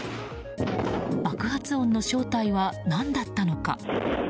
爆発音の正体は何だったのか。